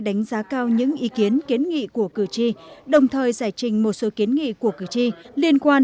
đánh giá cao những ý kiến kiến nghị của cử tri đồng thời giải trình một số kiến nghị của cử tri liên quan